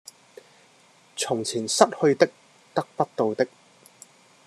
從前失去的、得不到的